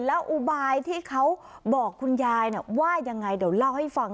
แล้วอุบายที่เขาบอกคุณยายว่ายังไงเดี๋ยวเล่าให้ฟัง